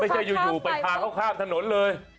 อยู่ไปพาเขาข้ามถนนเลย